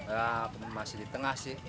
ya masih di tengah sih